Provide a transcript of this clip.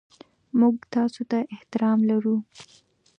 موږ تاسو ته احترام لرو.